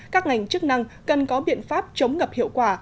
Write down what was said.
các ngành chức năng cần có biện pháp chống ngập hiệu quả